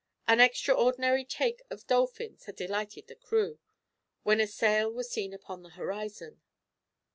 An extraordinary take of dolphins had delighted the crew, when a sail was seen upon the horizon.